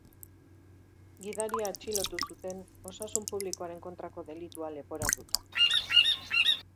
Gidaria atxilotu zuten, osasun publikoaren kontrako delitua leporatuta.